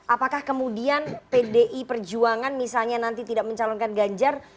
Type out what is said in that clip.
apakah kemudian pdi perjuangan misalnya nanti tidak mencalonkan ganjar